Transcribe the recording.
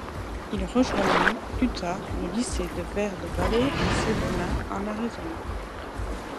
Il rejoignit plus tard le lycée de Verde Valley à Sedona en Arizona.